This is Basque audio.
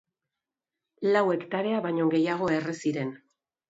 Lau hektarea baino gehiago erre ziren.